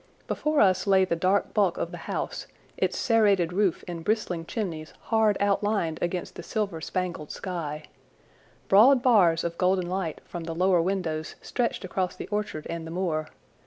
Before us lay the dark bulk of the house, its serrated roof and bristling chimneys hard outlined against the silver spangled sky. Broad bars of golden light from the lower windows stretched across the orchard and the moor.